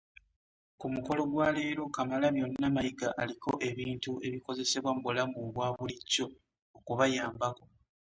Ku mukolo gwa leero, Kamalabyonna Mayiga aliko ebintu ebikozesebwa mu bulamu bwa bulijjo okubayambako.